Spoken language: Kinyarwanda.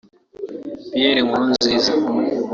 Pierre Nkurunziza